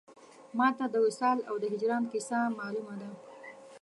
ما ته د وصال او د هجران کیسه مالومه ده